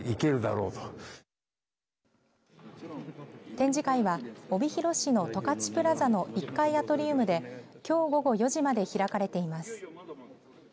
展示会は帯広市のとかちプラザの１階アトリウムできょう午後４時まで開かれています。